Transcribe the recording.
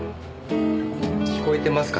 聞こえてますか？